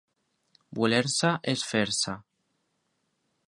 Voler-se és fer-se.